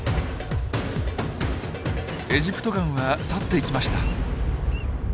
エジプトガンは去っていきました。